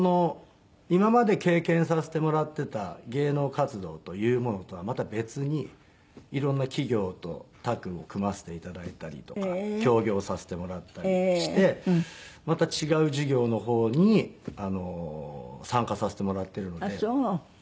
今まで経験させてもらってた芸能活動というものとはまた別にいろんな企業とタッグを組ませていただいたりとか協業させてもらったりしてまた違う事業の方に参加させてもらってるので。